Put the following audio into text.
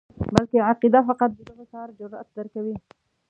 بلکې عقیده فقط د دغه کار جرأت درکوي.